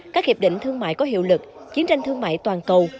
các hiệp định thương mại có hiệu lực chiến tranh thương mại toàn cầu